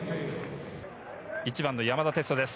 １番の山田哲人です。